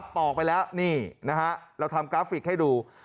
ปอกไปแล้วนี่นะฮะเราทำกราฟิกให้ดู